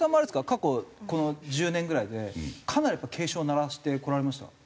過去この１０年ぐらいでかなりやっぱ警鐘鳴らしてこられました？